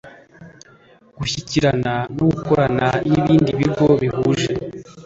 gushyikirana no gukorana n ibindi bigo bihuje